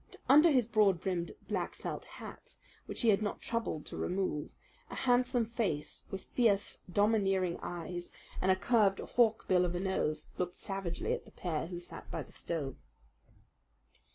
Under his broad brimmed black felt hat, which he had not troubled to remove, a handsome face with fierce, domineering eyes and a curved hawk bill of a nose looked savagely at the pair who sat by the stove.